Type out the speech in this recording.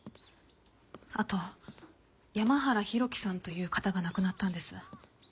あと山原浩喜さんという方が亡くなったんです。